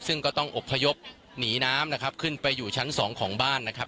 ซึ่งก็ต้องอบพยพหนีน้ำนะครับขึ้นไปอยู่ชั้นสองของบ้านนะครับ